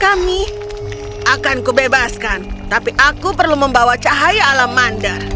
kami akan ku bebaskan tapi aku perlu membawa cahaya alamander